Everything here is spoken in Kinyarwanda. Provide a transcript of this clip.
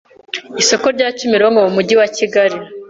isoko rya Kimironko mu mujyi wa Kigali